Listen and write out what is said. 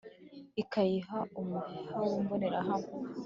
Ikayiha umuheha w’ imboneranye